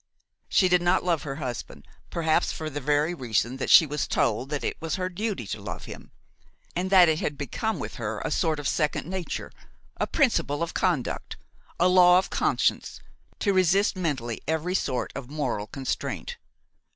She did not love her husband, perhaps for the very reason that she was told that it was her duty to love him, and that it had become with her a sort of second nature, a principle of conduct, a law of conscience, to resist mentally every sort of moral constraint.